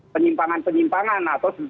penyimpangan penyimpangan atau sebagainya